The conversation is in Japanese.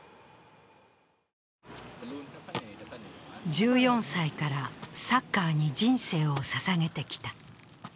１４歳からサッカーに人生をささげてきた。